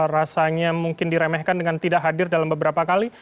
rasanya mungkin diremehkan dengan tidak hadir dalam beberapa kali